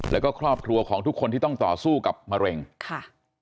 แล้วก็ครอบครัวของทุกคนที่ต้องต่อสู้กับมะเร็งค่ะ